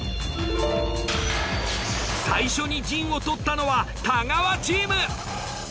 最初に陣を取ったのは太川チーム！